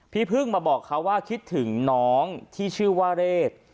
พี่พึ่งมาบอกเขาว่าคิดถึงน้องที่ชื่อว่าเรศ